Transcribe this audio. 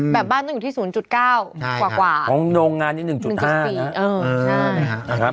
บ้านต้องอยู่ที่๐๙กว่าของโรงงานนี้๑๕๔ใช่นะครับ